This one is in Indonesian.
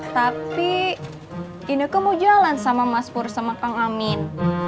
tapi ineke mau jalan sama mas pur sama kakak amin